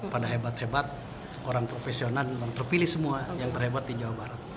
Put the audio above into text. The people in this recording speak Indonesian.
pada hebat hebat orang profesional terpilih semua yang terhebat di jawa barat